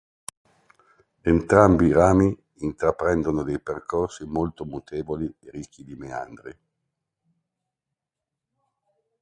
Entrambi i rami intraprendono dei percorsi molto mutevoli e ricchi di meandri.